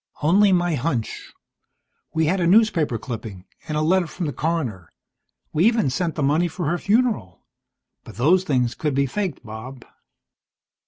"Only my hunch. We had a newspaper clipping, and a letter from the coroner. We even sent the money for her funeral. But those things could be faked, Bob."